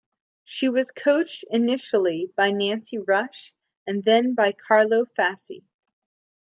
She was coached initially by Nancy Rush and then by Carlo Fassi.